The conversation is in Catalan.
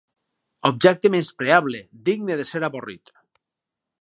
Objecte menyspreable, digne de ser avorrit.